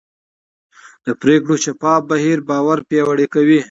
د پرېکړو شفاف بهیر باور پیاوړی کوي